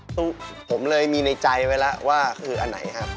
ผมเลยมีในใจไว้แล้วว่าคืออันไหนครับ